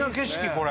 これ。